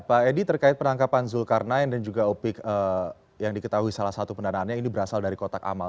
pak edi terkait penangkapan zulkarnain dan juga opik yang diketahui salah satu pendanaannya ini berasal dari kotak amal